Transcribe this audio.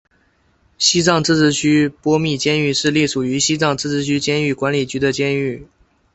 西藏自治区波密监狱是隶属于西藏自治区监狱管理局的监狱。